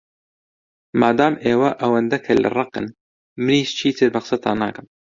مادام ئێوە ئەوەندە کەللەڕەقن، منیش چیتر بە قسەتان ناکەم.